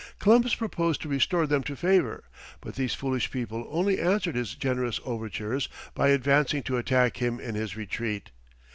Columbus proposed to restore them to favour, but these foolish people only answered his generous overtures by advancing to attack him in his retreat.